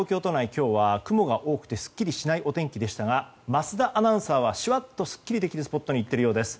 今日は雲が多くてすっきりないお天気でしたが桝田アナウンサーはシュワッとすっきりできるスポットに行っているそうです。